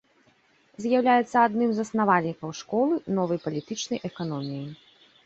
З'яўляецца адным з заснавальнікаў школы новай палітычнай эканоміі.